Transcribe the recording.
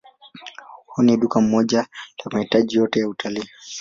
Wao ni duka moja la mahitaji yote ya utalii.